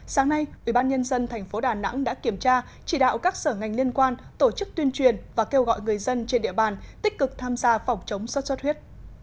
sáng nay ubnd tp đà nẵng đã kiểm tra chỉ đạo các sở ngành liên quan tổ chức tuyên truyền và kêu gọi người dân trên địa bàn tích cực tham gia phòng chống sốt xuất huyết